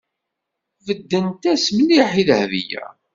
Beddent-as mliḥ i Dahbiya.